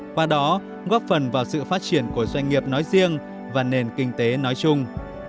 qua đó góp phần vào sự phát triển của doanh nghiệp nói riêng và nền kinh tế nói chung